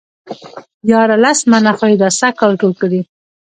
ياره لس منه خو يې دا سږ کال ټول کړي.